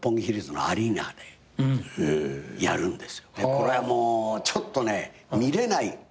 これはもうちょっとね見れないような。